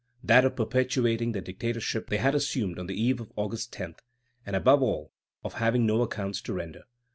That of perpetuating the dictatorship they had assumed on the eve of August 10, and, above all, of having no accounts to render.